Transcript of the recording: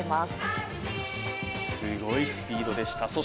すごいスピードでした。